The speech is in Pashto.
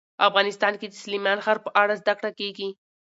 افغانستان کې د سلیمان غر په اړه زده کړه کېږي.